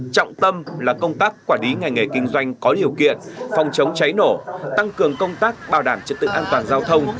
trọng tâm là công tác quản lý ngành nghề kinh doanh có điều kiện phòng chống cháy nổ tăng cường công tác bảo đảm trật tự an toàn giao thông